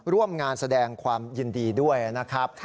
ร่วมงานแสดงความยินดีด้วยนะครับ